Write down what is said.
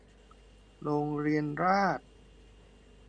โรงเรียนราษฎร์